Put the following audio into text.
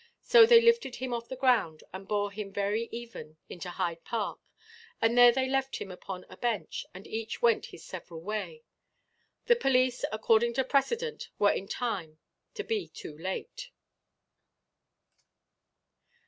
So they lifted him off the ground, and bore him even into Hyde Park, and there they left him upon a bench, and each went his several way. The police, according to precedent, were in time to be too late.